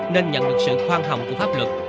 nên nhận được sự khoan hồng của pháp luật